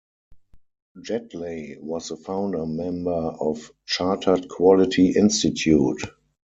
Jetley was the founder member of Chartered Quality Institute.